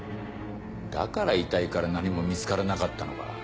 だから遺体から何も見つからなかったのか。